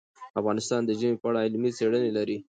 افغانستان د ژمی په اړه علمي څېړنې لري.